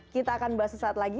kita akan bahas sesaat lagi